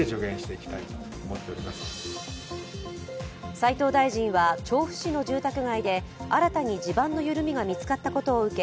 斉藤大臣は調布市の住宅街で新たに地盤の緩みが見つかったことを受け